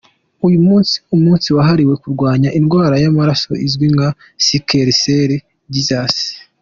Uyu munsi ni umunsi wahariwe kurwanya indwara y’amaraso izwi nka Sickle Cell Disease.